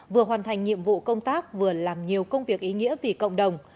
vừa hoàn thành nhiệm vụ công tác vừa làm nhiều công việc ý nghĩa vì cộng đồng